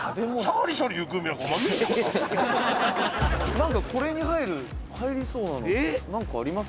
なんかこれに入る入りそうなものなんかあります？